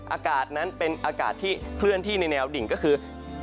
อากาศนั้นเป็นอากาศที่เคลื่อนที่ในแนวดิ่งก็คือ